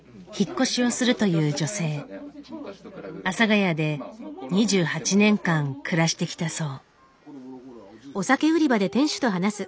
阿佐ヶ谷で２８年間暮らしてきたそう。